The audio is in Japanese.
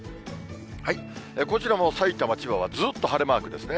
こちらもさいたま、千葉はずっと晴れマークですね。